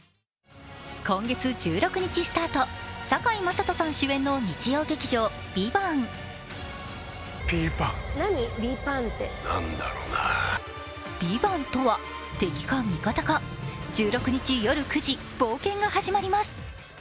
今月１６日スタート、堺雅人さん主演の日曜劇場「ＶＩＶＡＮＴ」。「ＶＩＶＡＮＴ」とは敵か味方か、１６日夜９時、冒険が始まります。